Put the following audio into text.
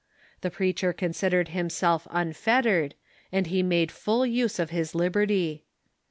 The preacher considered himself unfettered, and he made full use of his liberty.